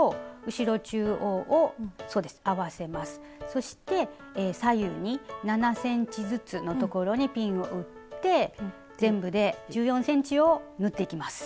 そして左右に７ｃｍずつの所にピンを打って全部で１４ｃｍを縫っていきます。